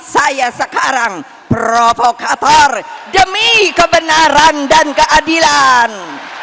saya sekarang provokator demi kebenaran dan keadilan